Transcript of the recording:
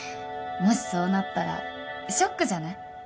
もしそうなったらショックじゃない？